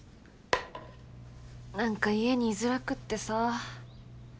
何か家に居づらくってさ。